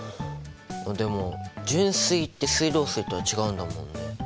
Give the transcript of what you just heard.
でも純水って水道水とは違うんだもんね。